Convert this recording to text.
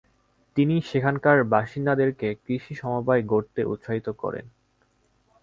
তিনি সেখানকার বাসিন্দাদেরকে কৃষি সমবায় গড়তে উৎসাহিত করেন।